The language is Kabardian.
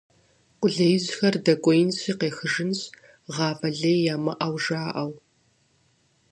Къулеижьхэр дэкӀуеинщи къехыжынщ, гъавэ лей ямыӀэу жаӀэу.